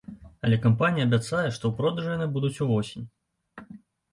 Але кампанія абяцае, што ў продажы яны будуць увосень.